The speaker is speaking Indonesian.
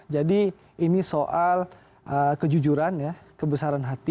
jadi ini soal kejujuran ya kebesaran hati